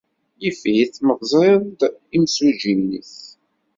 Yif-it ma teẓrid-d imsujji-nnek.